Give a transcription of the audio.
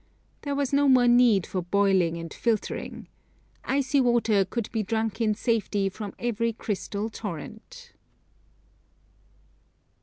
There was no more need for boiling and filtering. Icy water could be drunk in safety from every crystal torrent.